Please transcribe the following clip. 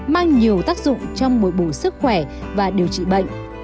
mang nhiều tác dụng trong mỗi bụi sức khỏe và điều trị bệnh